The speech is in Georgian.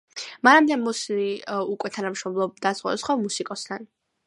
მანამდე მოსლი უკვე თანამშრომლობდა სხვადასხვა მუსიკოსთან.